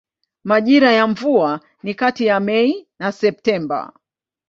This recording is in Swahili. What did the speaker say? Majira ya mvua ni kati ya Mei na Septemba.